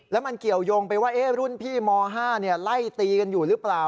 แล้วมันเกี่ยวยงไปว่ารุ่นพี่ม๕ไล่ตีกันอยู่หรือเปล่า